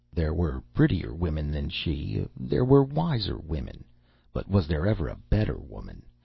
There were prettier women than she, there were wiser women, but was there ever a better woman?